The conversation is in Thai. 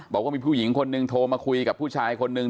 บอกว่ามีผู้หญิงคนนึงโทรมาคุยกับผู้ชายคนนึง